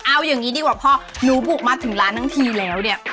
เอาอย่างนี้ดีกว่าพ่อหนูบุกมาถึงร้านทั้งทีแล้วเนี่ย